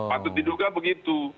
patut diduga begitu